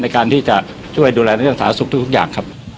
ในการที่จะช่วยดูแลเรื่องสาธารณสุขทุกอย่างครับ